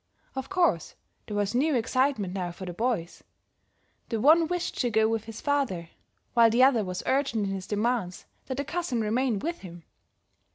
Of course, there was new excitement now for the boys; the one wished to go with his father, while the other was urgent in his demands that the cousin remain with him.